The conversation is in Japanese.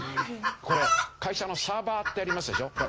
これ会社のサーバーってありますでしょ？